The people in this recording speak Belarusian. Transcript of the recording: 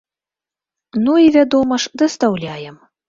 Ну і, вядома ж, дастаўляем.